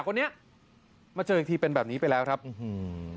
คนนี้มาเจออีกทีเป็นแบบนี้ไปแล้วครับอื้อหือ